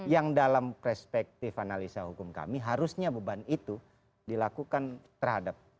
yang dalam perspektif analisa hukum kami harusnya beban itu dilakukan terhadap